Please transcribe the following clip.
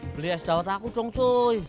beli es daun aku dong cuy